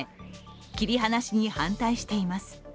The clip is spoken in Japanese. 切り離しに反対しています。